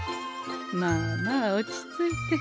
まあまあ落ち着いて。